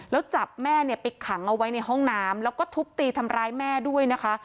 แล้วจับแม่เนี่ยไปขังเอาไว้ในห้องน้ำแล้วก็ทุบตีทำร้ายแม่ด้วยนะคะ